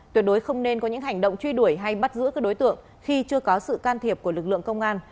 tuyệt đối không nên có những hành động truy đuổi hay bắt giữ các đối tượng khi chưa có sự can thiệp của lực lượng công an